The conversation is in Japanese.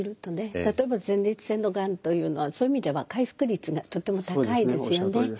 例えば前立腺のがんというのはそういう意味では回復率がとても高いですよね。